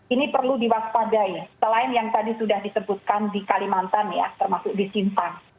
ini perlu diwaspadai selain yang tadi sudah disebutkan di kalimantan ya termasuk di simpang